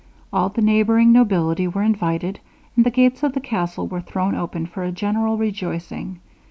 All the neighbouring nobility were invited, and the gates of the castle were thrown open for a general rejoicing.